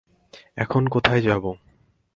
এখন কোথায় যাবো?